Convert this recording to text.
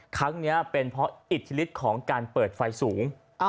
ครั้งนี้เป็นเพราะอิทธิฤทธิ์ของการเปิดไฟสูง